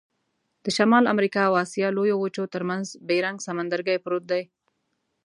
د شمال امریکا او آسیا لویو وچو ترمنځ بیرنګ سمندرګي پروت دی.